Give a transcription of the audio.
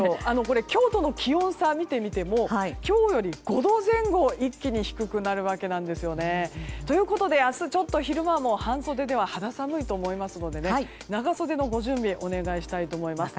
今日との気温差を見てみても今日より５度前後一気に低くなるわけです。ということで明日昼間も半袖では肌寒いと思いますので長袖のご準備をお願いしたいと思います。